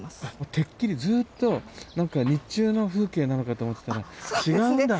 てっきりずっと何か日中の風景なのかと思ってたら違うんだ。